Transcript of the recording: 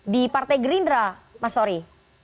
di partai gerindra mas tori